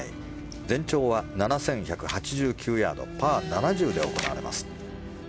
全長は７１８９ヤードパー７０で行われます。